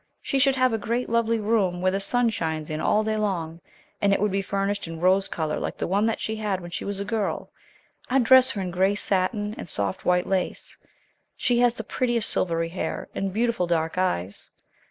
She should have a great lovely room, where the sun shines in all day long, and it should be furnished in rose color like the one that she had when she was a girl. I'd dress her in gray satin and soft white lace. She has the prettiest silvery hair, and beautiful dark eyes.